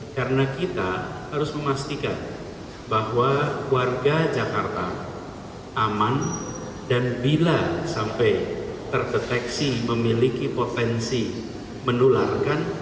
karena kita harus memastikan bahwa warga jakarta aman dan bila sampai terdeteksi memiliki potensi menularkan